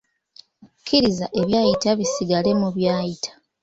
Kkiriza ebyayita bisigale mu byayita.